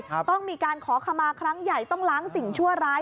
ต้องมีการขอขมาครั้งใหญ่ต้องล้างสิ่งชั่วร้าย